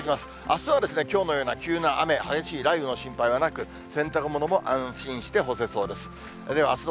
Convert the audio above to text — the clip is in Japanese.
あすはきょうのような急な雨、激しい雷雨の心配はなく、洗濯物も安心して干せそうです。